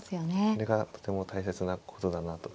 それがとても大切なことだなと。